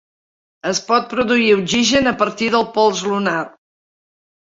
Es pot produir oxigen a partir de pols lunar